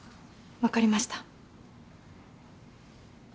分かりました。